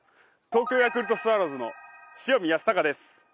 東京ヤクルトスワローズの塩見泰隆です。